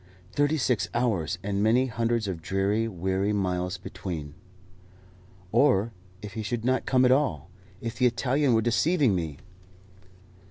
Thirty six hours, and many hundreds of dreary, weary miles between! Or if he should not come at all! If the Italian were deceiving me!